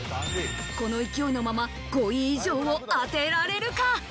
この勢いのまま、５位以上を当てられるか？